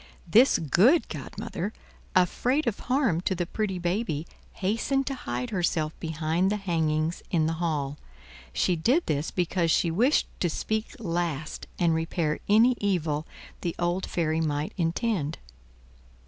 This good godmother, afraid of harm to the pretty baby, hastened to hide herself behind the hangings in the hall. She did this because she wished to speak last and repair any evil the old fairy might intend.